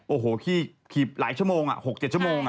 โอ้โหขี้ขีบหลายชั่วโมง๖๗ชั่วโมง